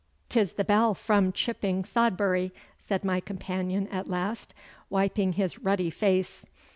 ''Tis the bell from Chipping Sodbury,' said my companion at last, wiping his ruddy face.